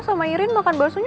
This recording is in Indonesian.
cukup buat ablaunt